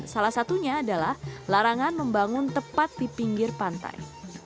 salah satunya adalah larangan membangun tepat di pinggir pantai